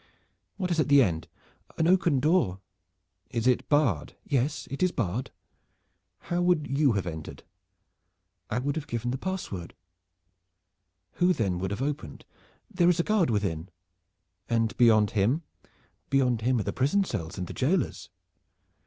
"What is at the end?" "An oaken door." "Is it barred?" "Yes, it is barred." "How would you have entered?" "I would have given the password." "Who then would have opened?" "There is a guard within." "And beyond him?" "Beyond him are the prison cells and the jailers."